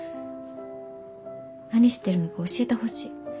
何してるのか教えてほしい。